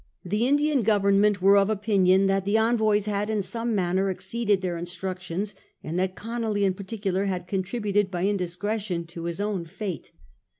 The Indian Government were of opinion that the envoys had in some manner exceeded their instruc tions, and that Conolly in particular had contributed by indiscretion to his own fate.